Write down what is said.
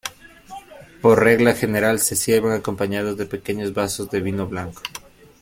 Por regla general se sirven acompañados de pequeños vasos de vino blanco.